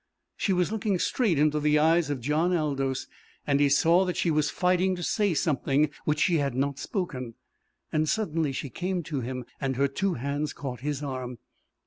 She was looking straight into the eyes of John Aldous, and he saw that she was fighting to say something which she had not spoken. Suddenly she came to him, and her two hands caught his arm.